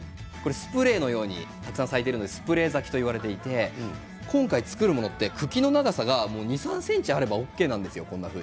スプレーのようにたくさん咲いているのでスプレー咲きといわれていますが今回作るのは茎の長さが２、３ｃｍあれば結構なんです。